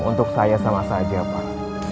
untuk saya sama saja pak